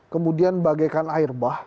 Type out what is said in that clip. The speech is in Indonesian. kemudian bagaikan air bah